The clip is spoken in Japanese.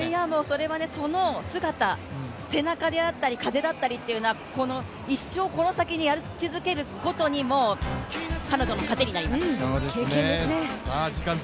それはその姿、背中であったり、風であったりというのは一生この先に焼き付けることに、彼女の糧になります。